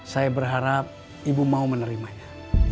saya berharap ibu mau menerimanya